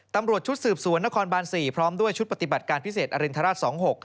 ตำรวจชุดสืบสวนนครบาน๔พร้อมด้วยชุดปฏิบัติการพิเศษอรินทราช๒๖